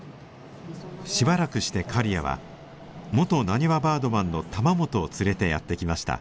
しばらくして刈谷は元なにわバードマンの玉本を連れてやって来ました。